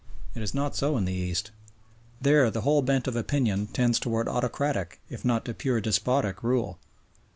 It is not so in the East. There the whole bent of opinion tends towards autocratic if not to pure despotic rule.